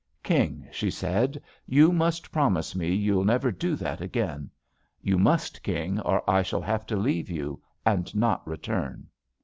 "King," she said, "you must promise me you'll never do that again; you must, King, or I shall have to leave you and not return."